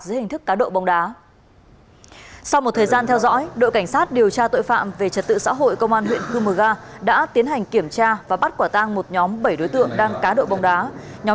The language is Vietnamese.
dưới một đồng hồ